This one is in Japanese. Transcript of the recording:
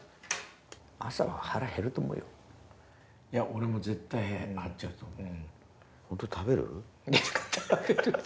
俺も絶対減っちゃうと思う。